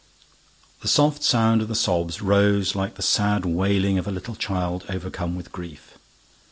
The soft sound of the sobs rose like the sad wailing of a little child overcome with grief.